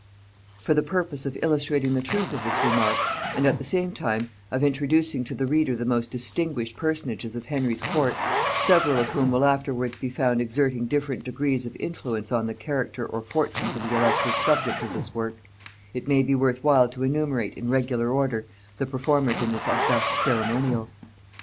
For the purpose of illustrating the truth of this remark, and at the same time of introducing to the reader the most distinguished personages of Henry's court, several of whom will afterwards be found exerting different degrees of influence on the character or fortunes of the illustrious subject of this work, it may be worth while to enumerate in regular order the performers in this august ceremonial.